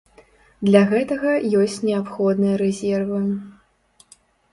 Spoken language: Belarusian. Для гэтага ёсць неабходныя рэзервы.